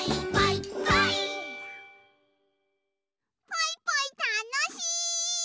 ポイポイたのしい！